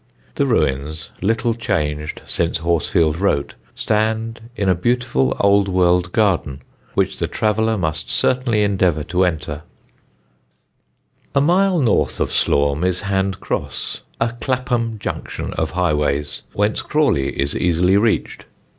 The ruins, little changed since Horsfield wrote, stand in a beautiful old world garden, which the traveller must certainly endeavour to enter. [Sidenote: THE BRIGHTON ROAD] A mile north of Slaugham is Hand Cross, a Clapham Junction of highways, whence Crawley is easily reached.